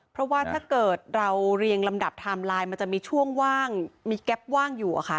เพราะว่าถ้าเกิดเราเรียงลำดับไทม์ไลน์มันจะมีช่วงว่างมีแก๊ปว่างอยู่อะค่ะ